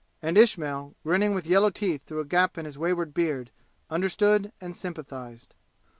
And Ismail, grinning with yellow teeth through a gap in his wayward beard, understood and sympathized.